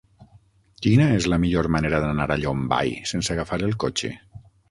Quina és la millor manera d'anar a Llombai sense agafar el cotxe?